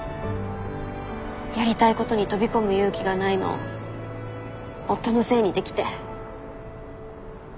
やりたいことに飛び込む勇気がないのを夫のせいにできて。